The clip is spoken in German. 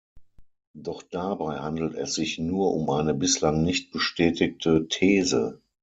Doch dabei handelt es sich nur um eine bislang nicht bestätigte These.